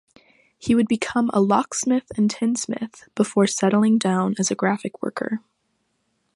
He would become a locksmith and tinsmith, before settling down as a graphic worker.